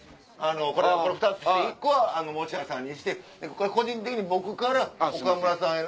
これ２つで１個は持田さんにしてこれ個人的に僕から岡村さんへ。